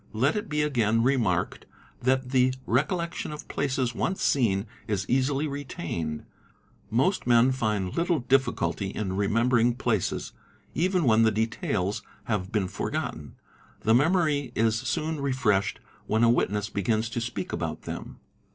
Let it be again _ remarked that the recollection of places once seen is easily retained— most men find little difficulty in remembering places; even when the | Wictails have been forgotten, the memory is soon refreshed when a witness begins to speak about them.